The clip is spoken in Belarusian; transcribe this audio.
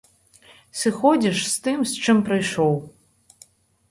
Сыходзіш з тым, з чым прыйшоў.